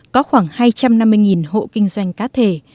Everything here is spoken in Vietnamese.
có khoảng hai trăm năm mươi hộ kinh doanh cá thể